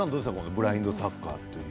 ブラインドサッカー。